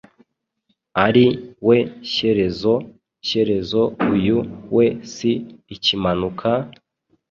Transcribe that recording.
ari we Shyerezo. Shyerezo uyu we si Ikimanuka ,